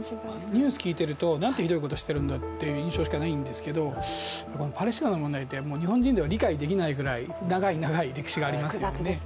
ニュース聞いていると、なんてひどいことをしているんだという印象を受けるんですけどパレスチナの問題って日本人では理解ができないぐらい長い長い歴史がありますよね。